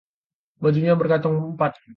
bajunya berkantong empat